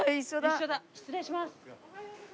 失礼します。